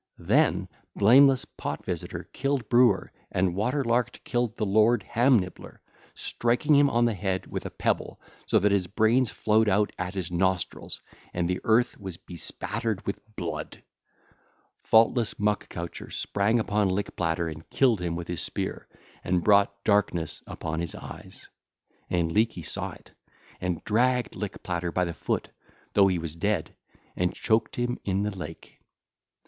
Then blameless Pot visitor killed Brewer and Water larked killed the lord Ham nibbler, striking him on the head with a pebble, so that his brains flowed out at his nostrils and the earth was bespattered with blood. Faultless Muck coucher sprang upon Lick platter and killed him with his spear and brought darkness upon his eyes: and Leeky saw it, and dragged Lick platter by the foot, though he was dead, and choked him in the lake.